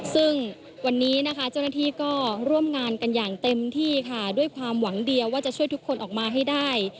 ซึ่งวันนี้นะคะเจ้าหน้าที่ก็ร่วมงานกันอย่างเต็มที่ค่ะด้วยความหวังเดียวว่าจะช่วยทุกคนออกมาให้ได้